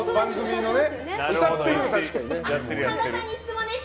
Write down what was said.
神田さんに質問です。